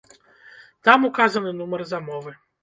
Там указаны нумар замовы.